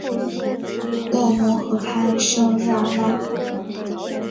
勒农河畔圣日耳曼。